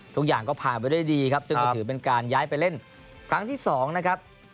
ทุกอย่างก็ผ่านไปด้วยดีครับซึ่งก็ถือเป็นการย้ายไปเล่นครั้งที่๒นะครับ